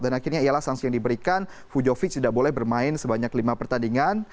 dan akhirnya ialah sanksi yang diberikan vujovic tidak boleh bermain sebanyak lima pertandingan